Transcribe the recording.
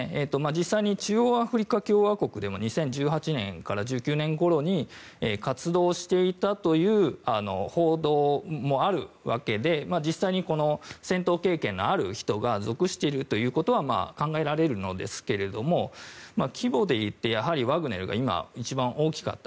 実際に中央アフリカ共和国でも２０１８年から２０１９年ごろに活動していたという報道もあるわけで実際に戦闘経験のある人が属しているということは考えられるんですけれども規模でいって、ワグネルが今一番大きかった。